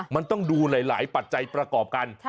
มันต้องดูหลายปัจจัยประกอบกัน